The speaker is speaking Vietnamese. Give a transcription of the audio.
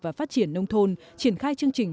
và phát triển nông thôn triển khai chương trình